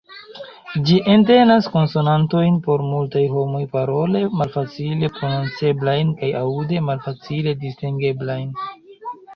Ĝi entenas konsonantojn por multaj homoj parole malfacile prononceblajn kaj aŭde malfacile distingeblajn.